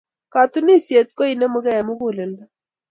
Katunisyet ko inemugei eng muguleldo.